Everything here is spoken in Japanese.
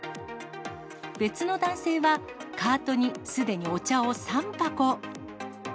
別の男性は、カートにすでにお茶を３箱。